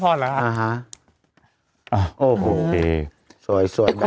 โอ้โฮ